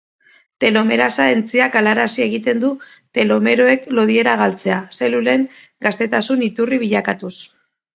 Telomerasa entzimak galarazi egiten du telomeroek lodiera galtzea, zelulen gaztetasun iturri bilakatuz.